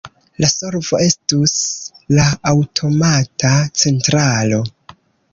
La solvo estus la aŭtomata centralo.